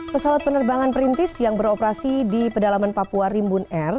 pesawat penerbangan perintis yang beroperasi di pedalaman papua rimbun air